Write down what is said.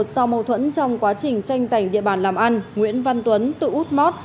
sau mâu thuẫn trong quá trình tranh giành địa bản làm ăn nguyễn văn tuấn tự út mót